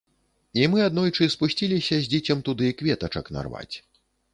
І мы аднойчы спусціліся з дзіцем туды кветачак нарваць.